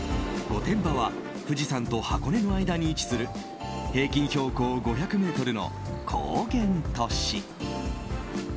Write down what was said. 御殿場は富士山と箱根の間に位置する平均標高５００ｍの高原都市。